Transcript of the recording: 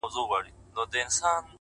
دا داسي سوى وي”